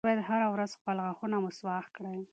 تاسي باید هره ورځ خپل غاښونه مسواک کړئ.